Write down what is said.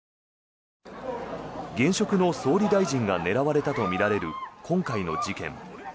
現職の総理大臣が狙われたとみられる今回の事件。